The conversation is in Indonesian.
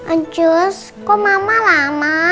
anjus kok mama lama